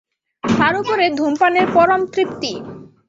তার ওপরে ধূমপানের পরম তৃপ্তি।